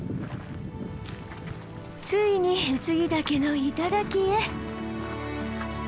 ついに空木岳の頂へ。